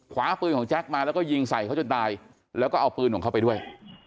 คว้าปืนของแจ็คมาแล้วก็ยิงใส่เขาจนตายแล้วก็เอาปืนของเขาไปด้วย